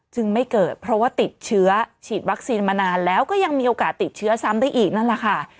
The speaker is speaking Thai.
ไม่เกิดเพราะว่าติดเชื้อฉีดวัคซีนมานานแล้วก็ยังมีโอกาสติดเชื้อซ้ำได้อีกนั่นแหละค่ะ